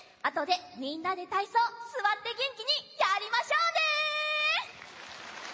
あとでみんなでたいそうすわってげんきにやりましょうね！